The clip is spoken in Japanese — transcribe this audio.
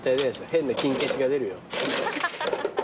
変なキン消しが出るよ。